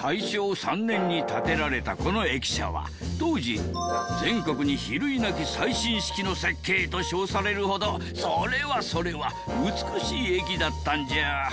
大正３年に建てられたこの駅舎は当時全国に比類なき最新式の設計と称されるほどそれはそれは美しい駅だったんじゃ。